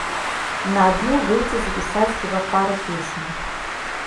На адну выйдзе запісаць хіба пару песень.